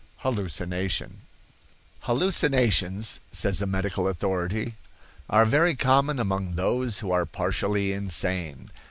Hallucination.—"Hallucinations," says a medical authority, "are very common among those who are partially insane.